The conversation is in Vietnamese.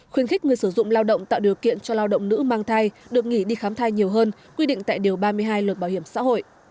khuyến khích người sử dụng lao động tạo điều kiện cho lao động nữ mang thai được nghỉ đi khám thai nhiều hơn quy định tại điều ba mươi hai luật bảo hiểm xã hội